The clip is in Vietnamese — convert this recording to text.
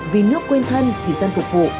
vì nước quên thân thì dân phục vụ